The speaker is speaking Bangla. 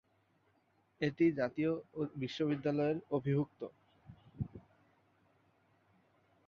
এটি জাতীয় বিশ্ববিদ্যালয়ের অধিভুক্ত।